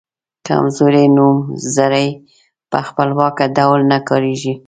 کمزوري نومځري په خپلواکه ډول نه کاریږي.